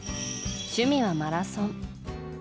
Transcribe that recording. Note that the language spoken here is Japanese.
趣味はマラソン。